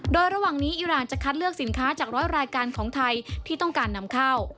โดยระหว่างนี้อิราณจะคัดเลือกสินค้าจากร้อยรายการของไทยที่ต้องการนำเข้า